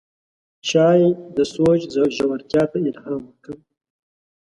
چای د سوچ ژورتیا ته الهام ورکوي